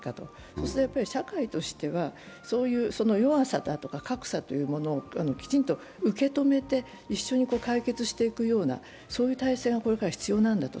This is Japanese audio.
そうすると社会としては、そういう弱さだとか格差をきちんと受け止めて、一緒に解決していくような体制がこれから必要なんだと。